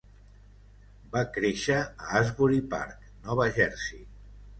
Va créixer a Asbury Park, Nova Jersey.